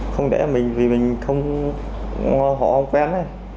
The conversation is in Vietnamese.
không để mình vì mình không họ không quen